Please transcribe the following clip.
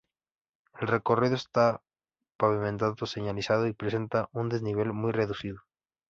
El recorrido está pavimentado, señalizado y presenta un desnivel muy reducido.